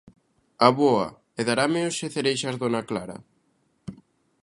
_Avoa, ¿e darame hoxe cereixas dona Clara?